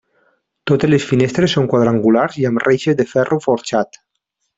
Totes les finestres són quadrangulars i amb reixes de ferro forjat.